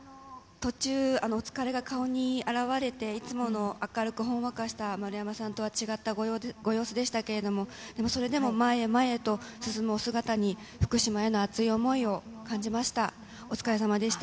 途中、お疲れが顔に表れて、いつもの明るくほんわかした丸山さんとは違ったご様子でしたけれども、でもそれでも前へ前へと進むお姿に、福島への熱い思いを感じました。